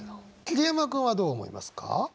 桐山君はどう思いますか？